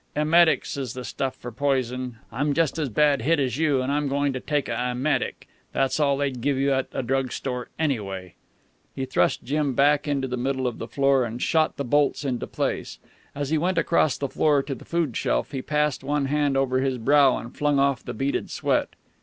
Emetics is the stuff for poison. I'm just as bad bit as you, an' I'm goin' to take a emetic. That's all they'd give you at a drug store, anyway." He thrust Jim back into the middle of the room and shot the bolts into place. As he went across the floor to the food shelf, he passed one hand over his brow and flung off the beaded sweat.